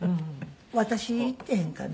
私行ってへんかな。